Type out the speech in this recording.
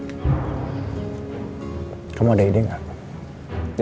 ya siapa tau mungkin dengan ide kamu bisa bantu aku